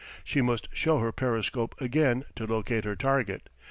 She must show her periscope again to locate her target.